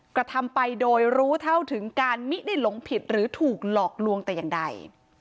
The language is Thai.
กระทำไปโดยรู้เท่าถึงการมิได้หลงผิดหรือถูกหลอกลวงแต่อย่างใด